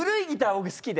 僕好きで。